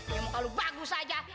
ya muka lu bagus saja